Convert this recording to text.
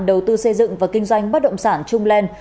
đầu tư xây dựng và kinh doanh bất động sản trung lan